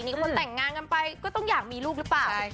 คนแต่งงานกันไปก็ต้องอยากมีลูกหรือเปล่า